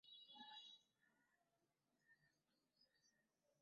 মঙ্গলবার সন্ধ্যায় তাঁর লাশ ঢাকায় পৌঁছালে জানাজা শেষে মিরপুরে দাফন করা হয়।